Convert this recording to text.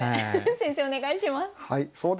先生お願いします。